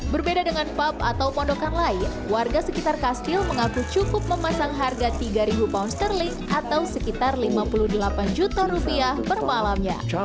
berbeda dengan pub atau pondokan lain warga sekitar kastil mengaku cukup memasang harga tiga ribu pound sterling atau sekitar lima puluh delapan juta rupiah per malamnya